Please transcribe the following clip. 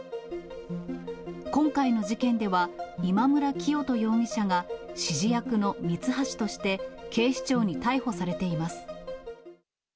今回の事件では、今村磨人容疑者が、指示役のミツハシとして警視庁に逮捕されています。